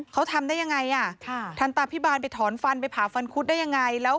เขาทำได้ยังไงฮะทันตพิบาลไปถอนฟันไปผาฟันคุดได้ยังไง